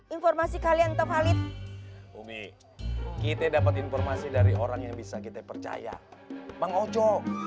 informasi kalian tetap halid umi kita dapat informasi dari orang yang bisa kita percaya bang oco